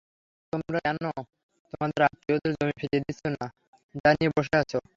আরে তোমরা কেন তোমাদের আত্মীয়দের জমি ফিরিয়ে দিচ্ছ না, যা নিয়ে বসে আছো।